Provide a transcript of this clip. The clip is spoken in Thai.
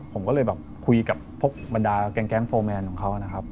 ผมก็เลยแบบคุยกับพวกบรรดาแก๊งโฟร์แมนของเขานะครับ